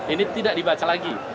ini tidak dibaca lagi